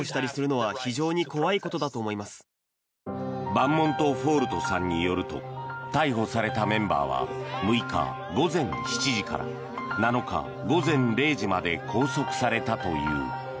バンモントフォールトさんによると逮捕されたメンバーは６日午前７時から７日午前０時まで拘束されたという。